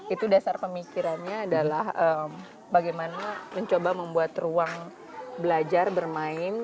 itu dasar pemikirannya adalah bagaimana mencoba membuat ruang belajar bermain